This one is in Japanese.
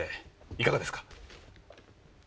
いかがですか？